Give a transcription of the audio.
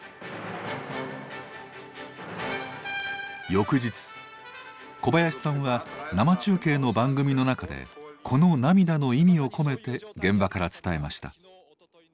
翌日小林さんは生中継の番組の中でこの涙の意味を込めて現場から伝えました。